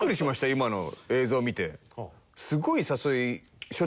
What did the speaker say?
今の映像見て。